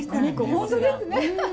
本当ですね。